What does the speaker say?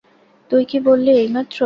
তুই কি বললি এইমাত্র?